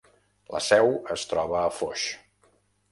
La seu es troba a Foix.